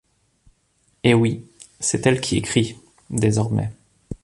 Et oui : c’est elle qui écrit, désormais.